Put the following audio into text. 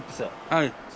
はい。